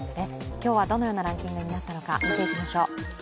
今日はどのようなランキングになったのか、見ていきましょう。